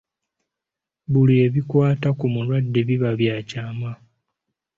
Buli ebikwata ku mulwadde biba bya kyama.